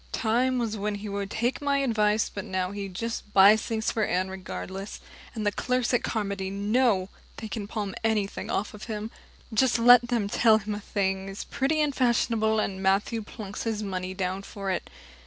Time was when he would take my advice, but now he just buys things for Anne regardless, and the clerks at Carmody know they can palm anything off on him. Just let them tell him a thing is pretty and fashionable, and Matthew plunks his money down for it.